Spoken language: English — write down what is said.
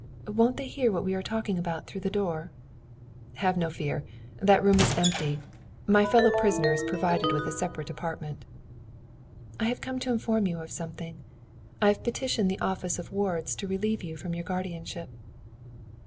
"Won't they hear what we are talking about through that door?" "Have no fear. That room is empty. My fellow prisoner is provided with a separate apartment." "I have come to inform you of something. I have petitioned the office of wards to relieve you from your guardianship."